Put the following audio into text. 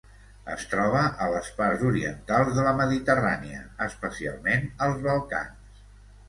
Es troba a les parts orientals de la Mediterrània, especialment als Balcans.